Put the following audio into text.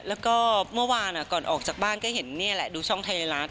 แล้วก็เมื่อวานก่อนออกจากบ้านก็เห็นนี่แหละดูช่องไทยรัฐ